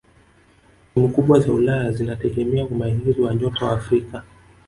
timu kubwa za ulaya zinategemea umahiri wa nyota wa afrika